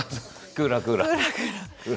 クーラークーラー。